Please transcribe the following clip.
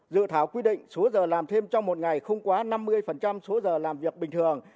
dự thảo quy định số giờ làm thêm trong một ngày không quá năm mươi số giờ làm việc bình thường